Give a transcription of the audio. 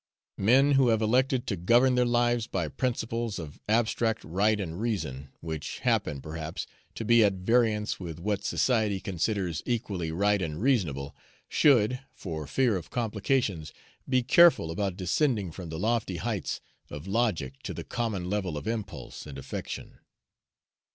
Men who have elected to govern their lives by principles of abstract right and reason, which happen, perhaps, to be at variance with what society considers equally right and reasonable, should, for fear of complications, be careful about descending from the lofty heights of logic to the common level of impulse and affection.